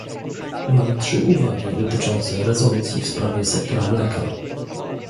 Mam trzy uwagi dotyczące rezolucji w sprawie sektora mleka